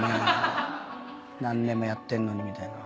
何年もやってんのにみたいな。